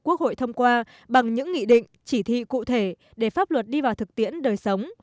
quốc hội thông qua bằng những nghị định chỉ thị cụ thể để pháp luật đi vào thực tiễn đời sống